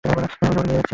আমি তোমাকে নিয়ে খেলেছি।